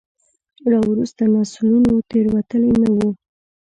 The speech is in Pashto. راوروسته نسلونو تېروتلي نه وو.